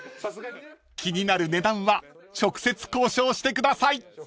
［気になる値段は直接交渉してください］